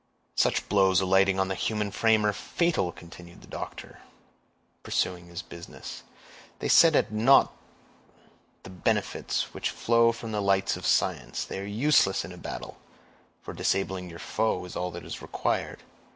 "Such blows alighting on the human frame are fatal," continued the doctor, pursuing his business. "They set at naught the benefits which flow from the lights of science; they are useless in a battle, for disabling your foe is all that is required.